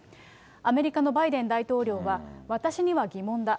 アメリカのバイデン大統領は、私には疑問だ。